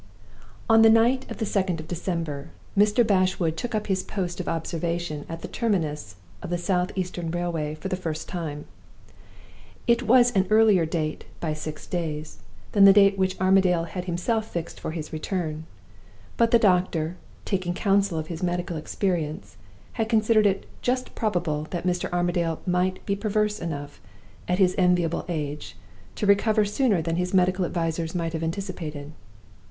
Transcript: On the night of the 2d of December, Mr. Bashwood took up his post of observation at the terminus of the South eastern Railway for the first time. It was an earlier date, by six days, than the date which Allan had himself fixed for his return. But the doctor, taking counsel of his medical experience, had considered it just probable that "Mr. Armadale might be perverse enough, at his enviable age, to recover sooner than his medical advisers might have anticipated."